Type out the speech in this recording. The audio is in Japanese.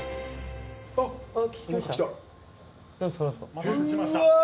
お待たせしました。